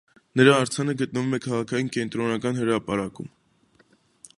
Նրա արձանը գտնվում է քաղաքի կենտրոնական հրապարակում։